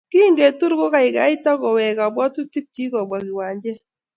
Kingetur kokaikai akowek kabwatutikchi kobwa kiwanjet